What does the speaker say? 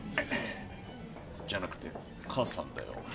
じゃなくて母さんだよ。